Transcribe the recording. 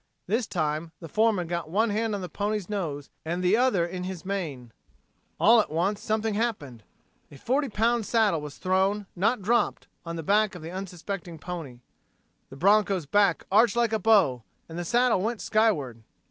This time the foreman got one hand on the animal's nose and the other in his mane. All at once something happened. A forty pound saddle was thrown, not dropped, on the back of the unsuspecting pony. The broncho's back arched like a bow, and the saddle went skyward.